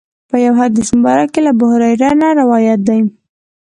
په یو حدیث مبارک کې له ابوهریره نه روایت دی.